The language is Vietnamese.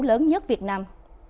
lớn nhất việt nam